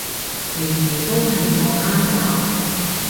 年年都喺荷蘭搞？